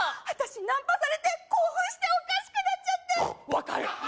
私ナンパされて興奮しておかしくなっちゃって分かる！